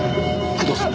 工藤さん。